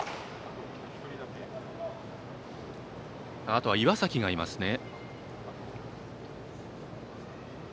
あと岩崎がいますね。